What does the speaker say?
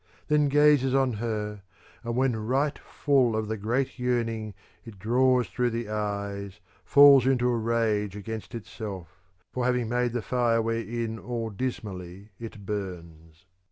\ni\\ m ,'' Then gazes on her, and when right full Of the great yearning it draws through the eyes, falls into rage against itself for having made the fire wherein all dismally it bums.